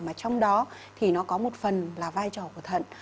mà trong đó thì nó có một phần là vai trò của thận